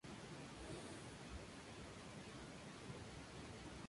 Durante las pretemporada se pudo ver que el bólido presentaba distintos tipos de alerones.